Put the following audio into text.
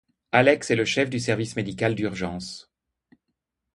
Alex est le chef du service médicale d'urgence.